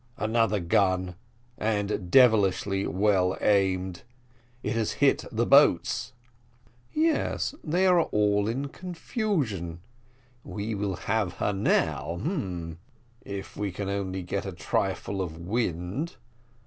Another gun and devilish well aimed; it has hit the boats." "Yes, they are all in confusion: we will have her now, if we can only get a trifle of wind.